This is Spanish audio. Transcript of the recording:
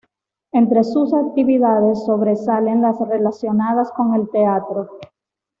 Entre sus actividades, sobresalen las relacionadas con el teatro.